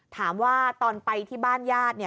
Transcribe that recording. ถามว่าตอนไปที่บ้านญาติ